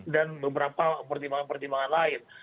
dan beberapa pertimbangan pertimbangan lain